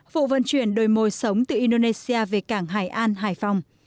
vụ vận chuyển đồi mồi sống từ indonesia về cảng hải an hải phòng